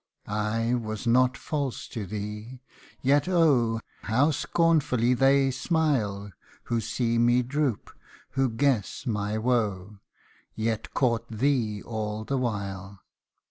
I was not false to thee ; yet oh ! How scornfully they smile, Who see me droop, who guess my woe, Yet court thee all the while.